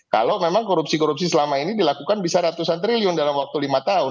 kalau memang korupsi korupsi selama ini dilakukan bisa ratusan triliun dalam waktu lima tahun